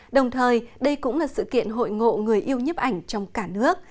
đồng thời đây cũng là sự kiện hội ngộ người yêu nhấp ảnh trong cả nước